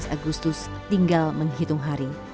agustus tinggal menghitung hari